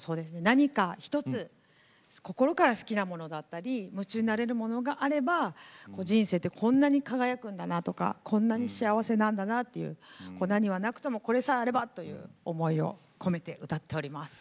何か１つ心から好きなものだったり夢中になれるものがあれば人生ってこんなに輝くんだなとかこんなに幸せなんだなっていう何はなくとも「これさえあれば」という思いを込めて歌っております。